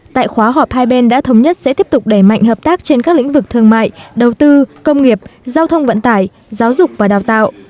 tại khóa họp hai bên đã thống nhất sẽ tiếp tục đẩy mạnh hợp tác trên các lĩnh vực thương mại đầu tư công nghiệp giao thông vận tải giáo dục và đào tạo